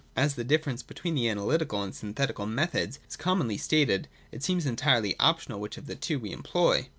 As the difference between the analytical and synthetical methods is commonly stated, it seems entirely optional which of the two we employ.